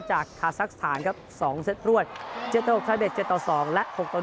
จากทาซักษ์ฐานครับ๒เซ็ตรวด๗ต่อ๖ชัยเบส๗ต่อ๒และ๖ต่อ๑